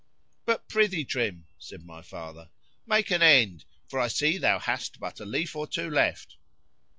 —— But prithee, Trim, said my father, make an end,—for I see thou hast but a leaf or two left.